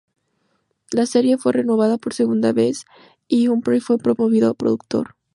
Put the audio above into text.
La serie fue renovada por segunda vez y Humphrey fue promovido a productor.